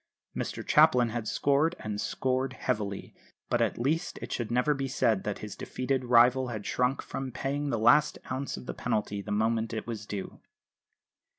Mr Chaplin had scored, and scored heavily; but at least it should never be said that his defeated rival had shrunk from paying the last ounce of the penalty the moment it was due.